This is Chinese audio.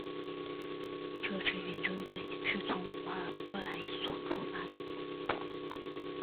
这支远征队是从瓦尔帕莱索出发的。